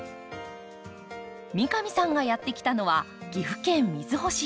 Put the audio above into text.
三上さんがやって来たのは岐阜県瑞穂市。